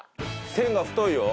線が太いよ。